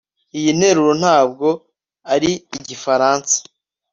Iyi nteruro ntabwo ari igifaransa